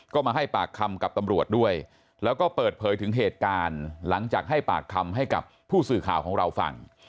ก็มาให้ปากคำกับตำรวจด้วยแล้วก็เปิดเผยถึงเหตุการณ์หลังจากให้ปากคำให้กับผู้สื่อข่าวของเราฟัง